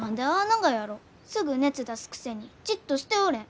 すぐ熱出すくせにじっとしておれん。